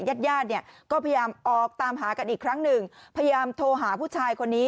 ญาติญาติเนี่ยก็พยายามออกตามหากันอีกครั้งหนึ่งพยายามโทรหาผู้ชายคนนี้